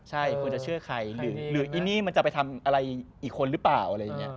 ใช่คุณควรจะเชื่อใครหรือไอ้นี่มันจะไปทำอะไรอีกคนหรือเปล่า